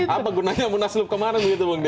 apa gunanya munaslup kemarin begitu bung ge